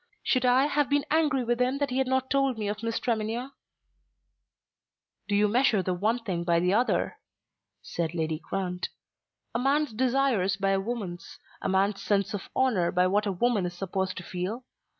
Should I have been angry with him had he not told me of Miss Tremenhere?" "Do you measure the one thing by the other," said Lady Grant; "a man's desires by a woman's, a man's sense of honour by what a woman is supposed to feel?